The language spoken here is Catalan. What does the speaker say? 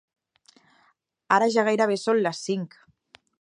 Ara ja gairebé són les cinc.